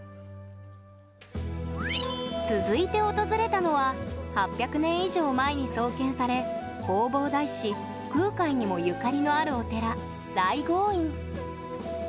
続いて訪れたのは８００年以上前に創建され弘法大師・空海にもゆかりのあるお寺来迎院。